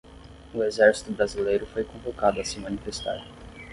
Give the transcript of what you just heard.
O exército brasileiro foi convocado a se manifestar